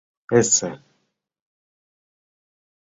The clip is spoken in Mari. — Эсе...